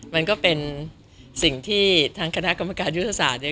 มันก็เป็นสิ่งที่ทางคณะกรรมการยุทธศาสตร์เนี่ย